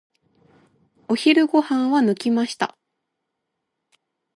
お昼ご飯は抜きました。